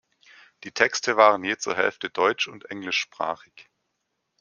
Die Texte waren je zur Hälfte deutsch- und englischsprachig.